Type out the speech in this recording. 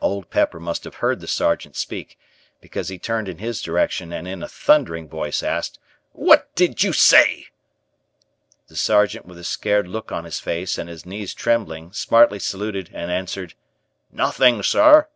Old Pepper must have heard the Sergeant speak because he turned in his direction and in a thundering voice asked: "What did you say?" The Sergeant with a scared look on his face and his knees trembling, smartly saluted and answered: "Nothing, sir."